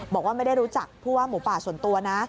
บอกว่าไม่ได้รู้จักผู้ว่าหมูป่าส่วนตัวนะ